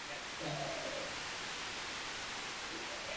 আমি জুতো খুলে পায়জামা গুটিয়ে নিলাম।